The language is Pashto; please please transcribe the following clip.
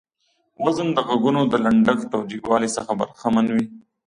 وزن د غږونو د لنډښت او جګوالي څخه برخمن دى.